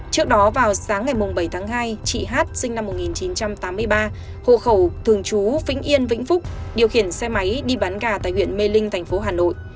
trước đó vào sáng ngày bảy tháng hai chị hát sinh năm một nghìn chín trăm tám mươi ba hộ khẩu thường trú vĩnh yên vĩnh phúc điều khiển xe máy đi bán gà tại huyện mê linh thành phố hà nội